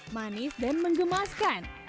manis dan mengemaskan